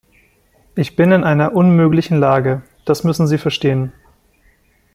Ich bin in einer unmöglichen Lage, das müssen Sie verstehen.